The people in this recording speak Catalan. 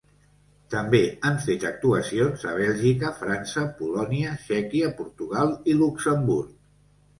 També han fet actuacions a Bèlgica, França, Polònia, Txèquia, Portugal i Luxemburg.